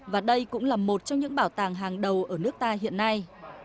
và đây cũng là một trong những bảo tàng hàng đầu ở nước ta hiện nay